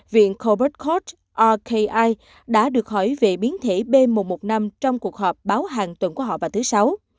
viện colbert court rki đã được hỏi về biến thể b một một năm trong cuộc họp báo hàng tuần của họ vào thứ sáu